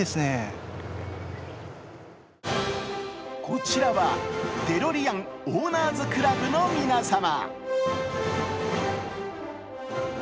こちらはデロリアンオーナーズクラブの皆様。